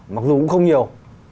mặc dù cũng không nhiều